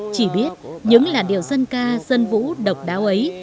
chỉ biết những làn điệu dân ca dân vũ độc đáo ấy